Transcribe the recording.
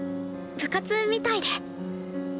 部活みたいで。